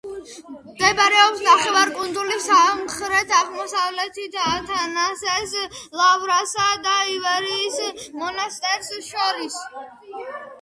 მდებარეობს ნახევარკუნძულის სამხრეთ-აღმოსავლეთით, ათანასეს ლავრასა და ივერიის მონასტერს შორის.